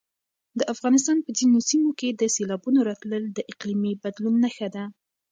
د افغانستان په ځینو سیمو کې د سېلابونو راتلل د اقلیمي بدلون نښه ده.